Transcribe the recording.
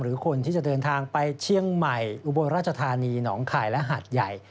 หรือคนที่จะเดินทางไปเชียงใหม่อุบลราชธานีหนองคายและหาดใหญ่